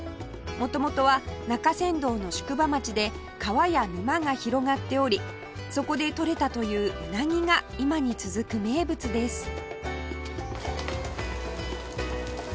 元々は中山道の宿場町で川や沼が広がっておりそこでとれたといううなぎが今に続く名物です